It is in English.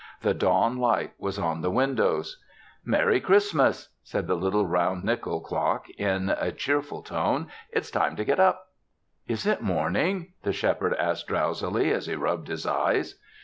The dawn light was on the windows. "Merry Christmas!" said the little round nickel clock in a cheerful tone. "It's time to get up!" "Is it morning?" the Shepherd asked drowsily, as he rubbed his eyes.